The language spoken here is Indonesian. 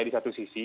di satu sisi